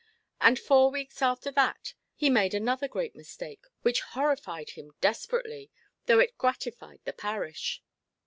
And four weeks after that he made another great mistake, which horrified him desperately, though it gratified the parish.